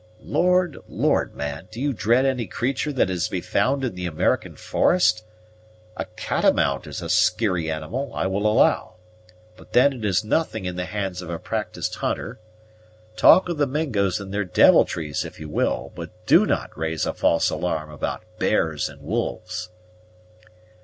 "Lord, lord, man! Do you dread any creatur' that is to be found in the American forest? A catamount is a skeary animal, I will allow, but then it is nothing in the hands of a practysed hunter. Talk of the Mingos and their devilries if you will; but do not raise a false alarm about bears and wolves."